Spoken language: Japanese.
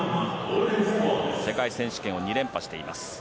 世界選手権を２連覇しています。